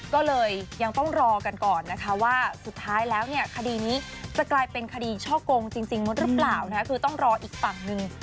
ก็เลยยังต้องรอกันก่อนนะคะว่าสุดท้ายแล้วเนี่ยคดีนี้จะกลายเป็นคดีช่อกงจริงหมดหรือเปล่านะคะคือต้องรออีกฝั่งหนึ่ง